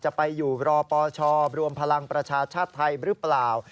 จะไปอยู่รอปชรวมพลังประชาชาติไทยหรือเปล่า